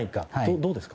どうですか？